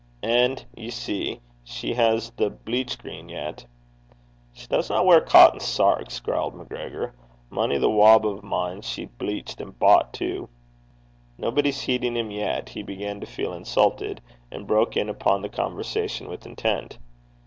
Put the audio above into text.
And, ye see, she has the bleachgreen yet.' 'She doesna weir cotton sarks,' growled MacGregor. 'Mony's the wob o' mine she's bleached and boucht tu!' Nobody heeding him yet, he began to feel insulted, and broke in upon the conversation with intent.